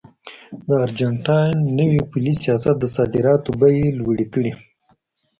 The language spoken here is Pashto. د ارجنټاین نوي پولي سیاست د صادراتو بیې لوړې کړې.